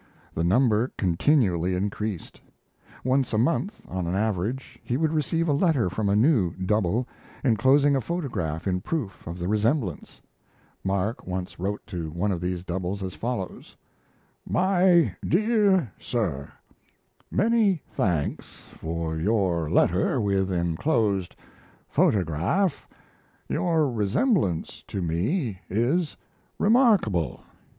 The number continually increased; once a month on an average, he would receive a letter from a new "double," enclosing a photograph in proof of the resemblance. Mark once wrote to one of these doubles as follows: MY DEAR SIR Many thanks for your letter, with enclosed photograph. Your resemblance to me is remarkable.